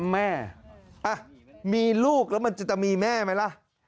แม่มีลูกแล้วมันจะมีแม่ไหมล่ะ